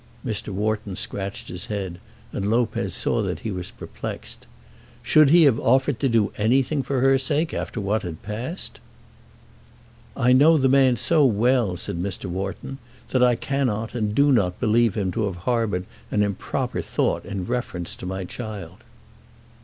Mr. Wharton scratched his head, and Lopez saw that he was perplexed. "Should he have offered to do anything for her sake, after what had passed?" "I know the man so well," said Mr. Wharton, "that I cannot and do not believe him to have harboured an improper thought in reference to my child."